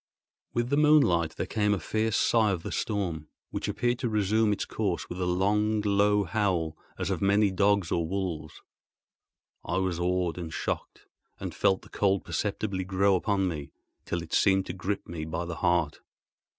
With the moonlight there came a fierce sigh of the storm, which appeared to resume its course with a long, low howl, as of many dogs or wolves. I was awed and shocked, and felt the cold perceptibly grow upon me till it seemed to grip me by the heart.